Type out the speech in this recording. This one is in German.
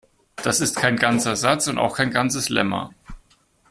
Das ist kein ganzer Satz und auch kein ganzes Lemma.